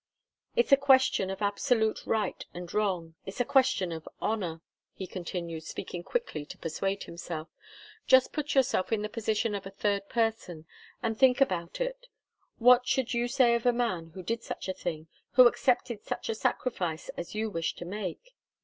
"It's a question of absolute right and wrong it's a question of honour," he continued, speaking quickly to persuade himself. "Just put yourself in the position of a third person, and think about it. What should you say of a man who did such a thing who accepted such a sacrifice as you wish to make?"